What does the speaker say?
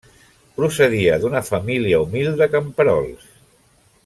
Procedia d'una família humil de camperols.